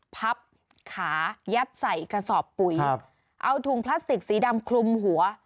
พับขายัดใส่กระสอบปุ๋ยเอาถุงพลาสติกสีดำคลุมหัว